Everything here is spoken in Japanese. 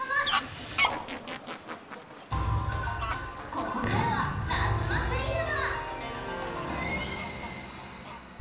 ここからは「夏祭り沼」！